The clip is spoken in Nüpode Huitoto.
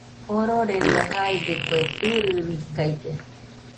Jororedo jaidɨkue sɨrɨrikailla.